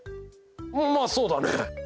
まあそうだね。